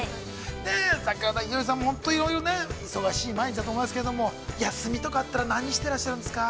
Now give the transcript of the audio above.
桜田ひよりさん、忙しい毎日だと思いますけれども、休みとかあったら、何していらっしゃるんですか。